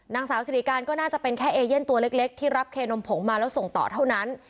นางสาวสิริการก็น่าจะเป็นแค่เอเย่นตัวเล็กที่รับเคนมผงมาแล้วส่งต่อเท่านั้น